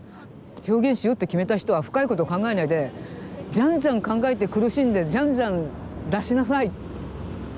表現しようって決めた人は深い事を考えないでじゃんじゃん考えて苦しんでじゃんじゃん出しなさい。